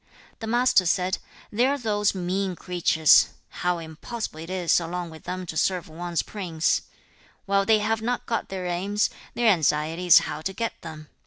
The Master said, 'There are those mean creatures! How impossible it is along with them to serve one's prince! 2. 'While they have not got their aims, their anxiety is how to get them.